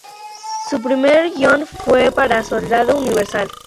Su primer guion fue para "Soldado Universal.